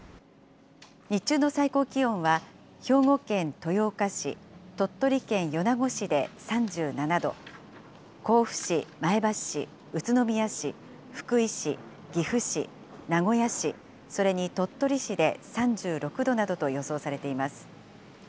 日中の最高気温は、兵庫県豊岡市、鳥取県米子市で３７度、甲府市、前橋市、宇都宮市、福井市、岐阜市、名古屋市、それに鳥取市で３６度などと予想されています。